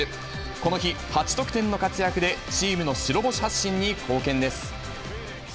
この日、８得点の活躍でチームの白星発進に貢献です。